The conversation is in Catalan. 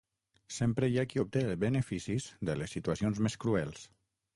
Sempre hi ha qui obté beneficis de les situacions més cruels.